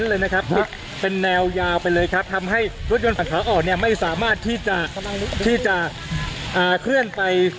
ทางกลุ่มมวลชนทะลุฟ้าทางกลุ่มมวลชนทะลุฟ้า